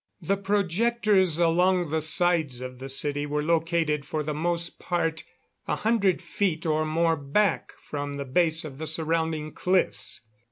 The projectors along the sides of the city were located for the most part a hundred feet or more back from the base of the surrounding cliffs.